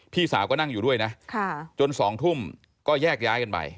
พี่สาวก็นั่งอยู่ด้วยนะจน๒ทุ่มก็แยกย้ายกันไป